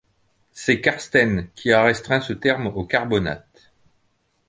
C'est Karsten qui a restreint ce terme au carbonate.